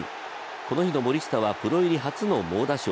この日の森下はプロ入り初の猛打賞。